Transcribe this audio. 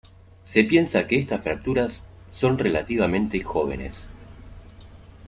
Se piensa que estas fracturas son relativamente jóvenes.